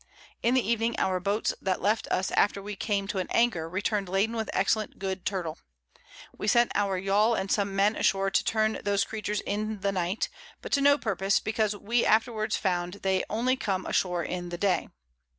In the Evening our Boats that left us after we came to an Anchor, return'd laden with excellent good Turtle: We sent our Yawl and some Men ashore to turn those Creatures in the Night, but to no purpose, because we afterwards found they only came ashore in the Day.